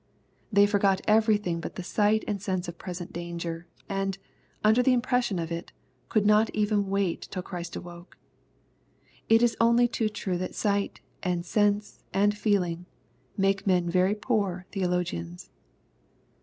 *^They forgot everything but the BigtiTand sense of present danger, and, under the impression of it, could not even wart till Christ awoke. It is only too true that sight, and sense, and feeling, make men very poor theologians.